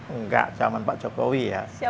enggak zaman pak jokowi ya